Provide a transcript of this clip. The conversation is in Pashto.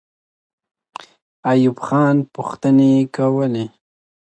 ایوب خان پوښتنې کولې.